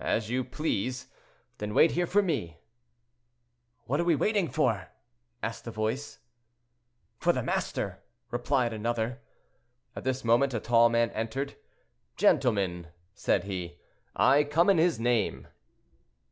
"As you please. Then wait here for me."—"What are we waiting for?" asked a voice. "For the master," replied another. At this moment, a tall man entered. "Gentlemen," said he, "I come in his name."